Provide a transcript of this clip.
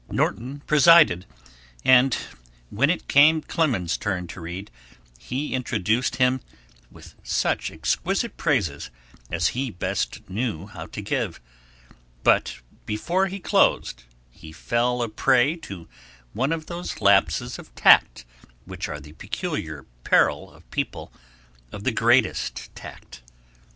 Norton presided, and when it came Clemens's turn to read he introduced him with such exquisite praises as he best knew how to give, but before he closed he fell a prey to one of those lapses of tact which are the peculiar peril of people of the greatest tact.